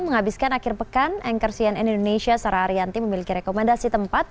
menghabiskan akhir pekan anchor cnn indonesia sarah arianti memiliki rekomendasi tempat